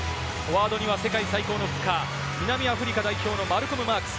フォワードには世界最高のフッカー、南アフリカ代表のマルコム・マークス。